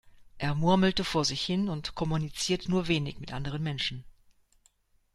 Er murmelt vor sich hin und kommuniziert nur wenig mit anderen Menschen.